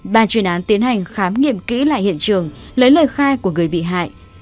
ban truyền án tiến hành khám nghiệm kỹ lại hiện trường lấy lời khai của người bị hại